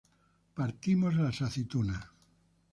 Partimos las aceitunas.